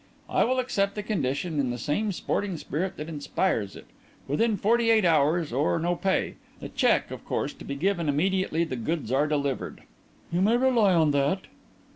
"I will accept the condition in the same sporting spirit that inspires it. Within forty eight hours or no pay. The cheque, of course, to be given immediately the goods are delivered?" "You may rely on that."